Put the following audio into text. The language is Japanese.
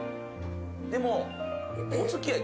でも。